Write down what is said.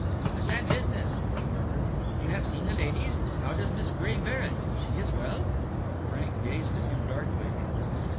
"A sad business!" he murmured. "You have seen the ladies? How does Miss Gray bear it? She is well?" Frank gazed at him darkly.